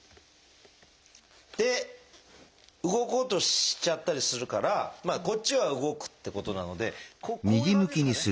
で動こうとしちゃったりするからこっちは動くってことなのでこういう感じですかね。